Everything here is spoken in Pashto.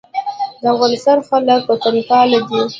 د افغانستان خلک وطنپال دي